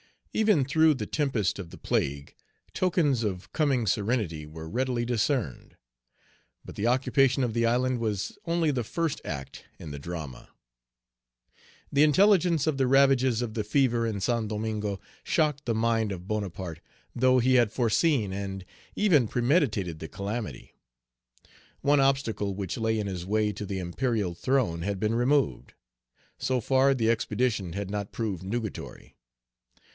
Even through the tempest of the plague, tokens of coming serenity were readily discerned. But the occupation of the island was only the first act in the drama. The intelligence of the ravages of the fever in Saint Domingo shocked the mind of Bonaparte, though he had foreseen and even premeditated the calamity. One obstacle which lay in his way to the imperial throne had been removed. So far the expedition had not proved nugatory.